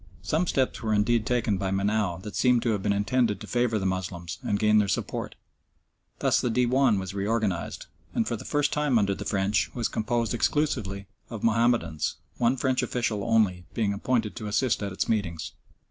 Some steps were indeed taken by Menou that seem to have been intended to favour the Moslems and gain their support. Thus the Dewan was reorganised, and, for the first time under the French, was composed exclusively of Mahomedans, one French official only being appointed to assist at its meetings.